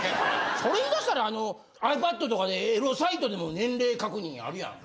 それ言い出したらあのｉＰａｄとかでエロサイトでも年齢確認あるやん？